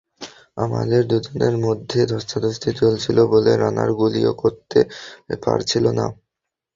আমাদের দুজনের মধ্যে ধস্তাধস্তি চলছিল বলে রানার গুলিও করতে পারছিল না।